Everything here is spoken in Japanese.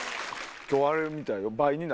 今日あれみたいよ。